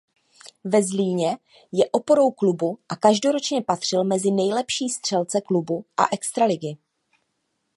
Ve Zlíně je oporou klubu a každoročně patřil mezi nejlepší střelce klubu a extraligy.